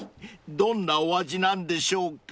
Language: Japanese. どんなお味なんでしょうか？］